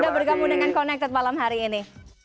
sudah bergabung dengan connected malam hari ini